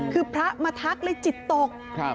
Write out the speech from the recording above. คือพระมาทักเลยจิตตก